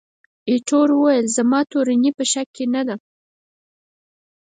ایټور وویل، زما تورني په شک کې نه ده.